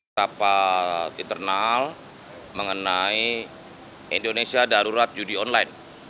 rapat internal mengenai indonesia darurat judi online